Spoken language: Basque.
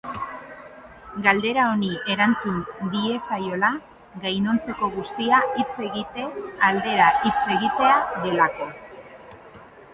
Galdera honi erantzun diezaiola, gainontzeko guztia hitz egite aldera hitz egitea delako.